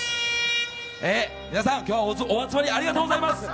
皆さん、今日はお集まりありがとうございます！